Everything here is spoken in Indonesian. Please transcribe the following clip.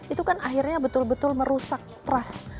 itu kan akhirnya betul betul merusak trust